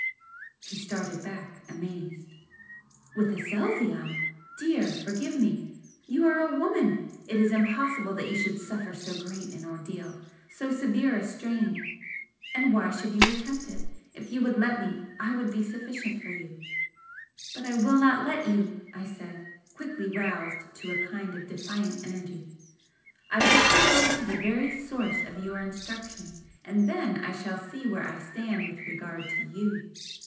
He started back, amazed. "With Aselzion! Dear, forgive me! You are a woman! It is impossible that you should suffer so great an ordeal, so severe a strain! And why should you attempt it? If you would let me, I would be sufficient for you." "But I will not let you!" I said, quickly, roused to a kind of defiant energy "I wish to go to the very source of your instruction, and then I shall see where I stand with regard to you!